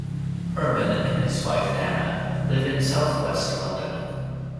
Urban and his wife Dana live in south-west London.